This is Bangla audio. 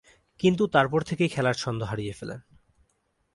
কিন্তু তারপর থেকেই খেলার ছন্দ হারিয়ে ফেলেন।